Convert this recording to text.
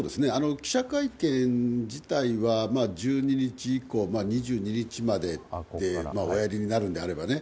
記者会見自体は１２日以降、２２日まで、おやりになるのであればね。